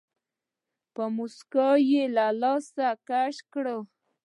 په موسکا يې له لاسه کش کړ.